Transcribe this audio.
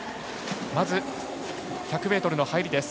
まず１００ｍの入りです。